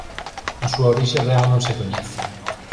A súa orixe real non se coñece.